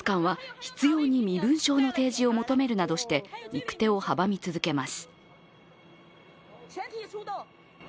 警察官は、執ように身分証の提示を求めるなどして行く手を阻み続けます。